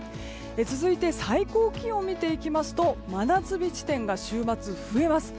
続いて最高気温を見ていきますと真夏日地点が週末、増えます。